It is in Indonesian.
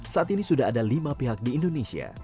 saat ini sudah ada lima pihak di indonesia